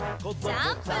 ジャンプ！